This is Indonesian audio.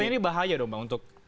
ini bahaya dong bang untuk